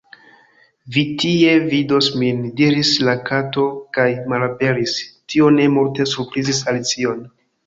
"Vi tie vidos min," diris la Kato kaj malaperis! Tio ne multe surprizis Alicion.